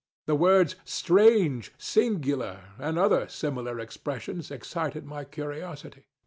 The words ŌĆ£strange! ŌĆØ ŌĆ£singular! ŌĆØ and other similar expressions, excited my curiosity.